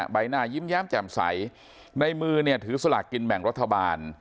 ใบหน้ายิ้มแย้มแจ่มใสในมือเนี่ยถือสลากกินแบ่งรัฐบาล